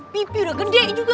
pipi udah gede juga